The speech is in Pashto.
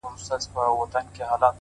o تا د جنگ لويه فلـسفه ماتــه كــړه؛